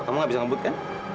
kamu gak bisa ngebut kan